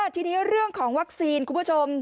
ทีนี้เรื่องของวัคซีนคุณผู้ชม